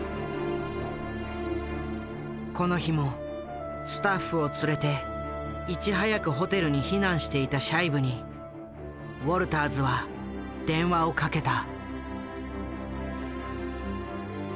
この日もスタッフを連れていち早くホテルに避難していたシャイブにウォルターズは電話をかけた。